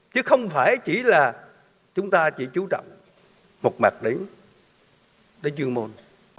chứ không phải chỉ là chúng ta chỉ chú trọng một mặt đến